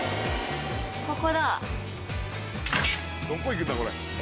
ここだ。